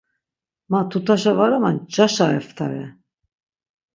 Ma tutaşa var ama ncaşa eft̆are.